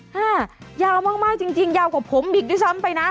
ยาวมากจริงยาวกว่าผมอีกด้วยซ้ำไปนะ